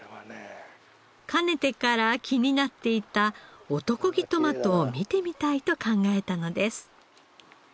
かねてから気になっていた男気トマトを見てみたいと考えたのです。